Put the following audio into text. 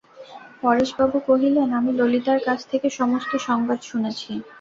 পরেশবাবু কহিলেন, আমি ললিতার কাছ থেকে সমস্ত সংবাদ শুনেছি।